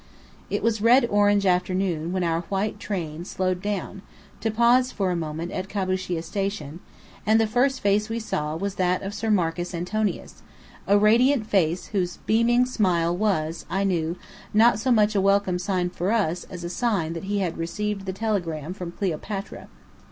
It was orange red afternoon when our white train slowed down, to pause for a moment at Kabushîa Station, and the first face we saw was that of Sir Marcus Antonius a radiant face whose beaming smile was, I knew, not so much a welcome for us as a sign that he had received the telegram from Cleopatra.